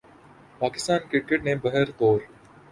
Pakistan cricket نے بہرطور